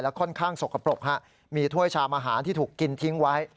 ค่อนข้างสกปรกมีถ้วยชามอาหารที่ถูกกินทิ้งไว้